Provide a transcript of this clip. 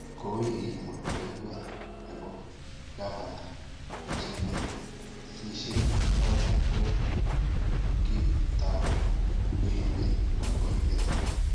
Kou ye kimwa rubeiwot ne bo kvana, chikilishe noto ko kitou oimbeet.